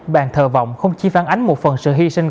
bàn thờ vọng không chỉ phản ánh một phần sự hy sinh